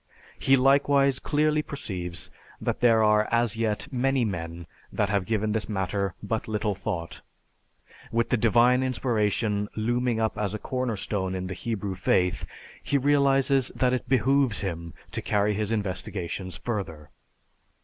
He likewise clearly perceives that there are as yet many men that have given this matter but little thought; with the Divine inspiration looming up as a corner stone in the Hebrew faith he realizes that it behooves him to carry his investigations further.